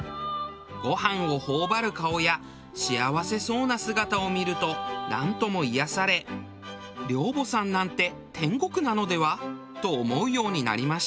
ごはんを頬張る顔や幸せそうな姿を見るとなんとも癒やされ寮母さんなんて天国なのでは？と思うようになりました。